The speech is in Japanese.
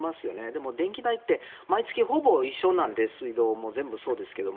でも、電気代って毎月ほぼ一緒なので水道も全部そうですけど。